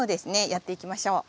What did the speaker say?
やっていきましょう。